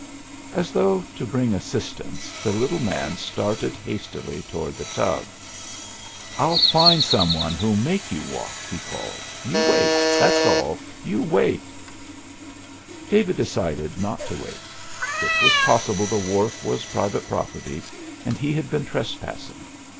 As though to bring assistance, the little man started hastily toward the tug. "I'll find some one who'll make you walk!" he called. "You wait, that's all, you wait!" David decided not to wait. It was possible the wharf was private property and he had been trespassing.